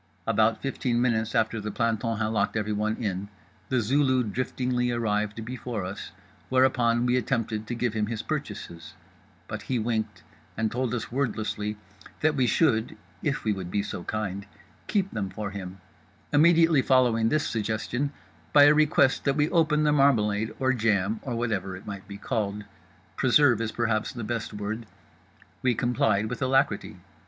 About fifteen minutes after the planton had locked everyone in, The Zulu driftingly arrived before us; whereupon we attempted to give him his purchases—but he winked and told us wordlessly that we should (if we would be so kind) keep them for him, immediately following this suggestion by a request that we open the marmalade or jam or whatever it might be called—preserve is perhaps the best word. We complied with alacrity.